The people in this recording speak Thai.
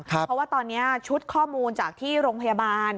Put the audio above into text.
เพราะว่าตอนนี้ชุดข้อมูลจากที่โรงพยาบาล